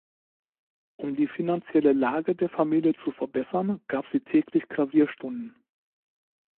Um die finanzielle Lage der Familie zu verbessern, gab sie täglich Klavierstunden.